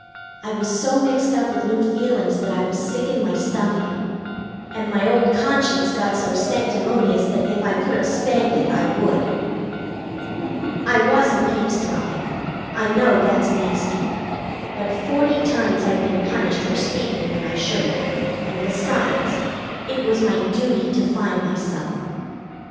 I was so mixed up with new feelings that I was sick in my stomach, and my old conscience got so sanctimonious that if I could have spanked it I would. I wasn't eavesdropping; I know that's nasty. But forty times I'd been punished for speaking when I shouldn't, and, besides, it was my duty to find myself.